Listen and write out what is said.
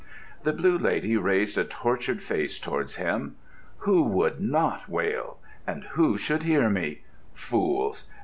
The Blue Lady raised a tortured face towards him. "Who would not wail? And who should hear me? Fools!